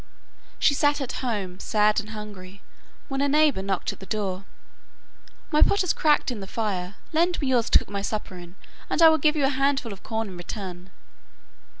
She sat at home, sad and hungry, when a neighbour knocked at the door. 'My pot has cracked in the fire, lend me yours to cook my supper in, and I will give you a handful of corn in return.